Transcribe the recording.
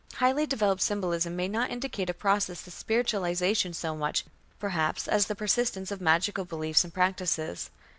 Highly developed symbolism may not indicate a process of spiritualization so much, perhaps, as the persistence of magical beliefs and practices.